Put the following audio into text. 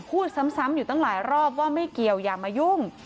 พูดซ้ำอยู่ตั้งหลายรอบว่าไม่เกี่ยวอย่ามายุ่ง